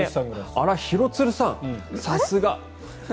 あら、廣津留さん、さすが。